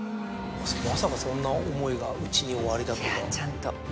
まさかそんな思いが内におありだとは。